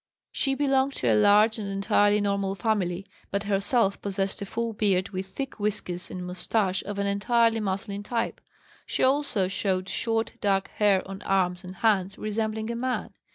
She belonged to a large and entirely normal family, but herself possessed a full beard with thick whiskers and moustache of an entirely masculine type; she also showed short, dark hair on arms and hands resembling a man.